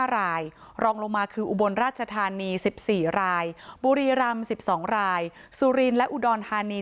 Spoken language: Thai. ๕รายรองลงมาคืออุบลราชธานี๑๔รายบุรีรำ๑๒รายสุรินและอุดรธานี